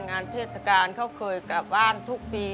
เทศกาลเขาเคยกลับบ้านทุกปี